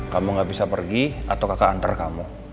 kamu gak bisa pergi atau kakak antar kamu